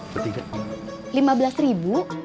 lima belas ribu